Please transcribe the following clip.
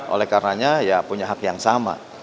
oleh karena punya hak yang sama